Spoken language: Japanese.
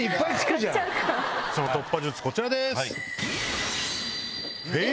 その突破術こちらです。